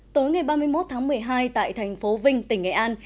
tối ngày ba mươi một tháng một mươi hai tại thành phố vinh tỉnh nghệ an